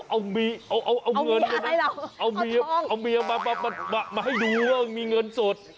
เอาเมียมาให้ดูเรื่องมีเงินสด